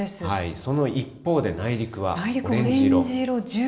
その一方で内陸はオレンジ色。